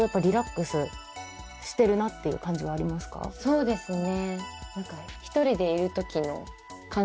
そうですね。